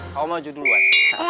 kau maju duluan